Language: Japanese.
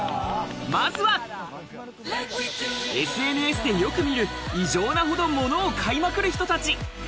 まずはＳＮＳでよく見る異常なほど物を買いまくる人たち。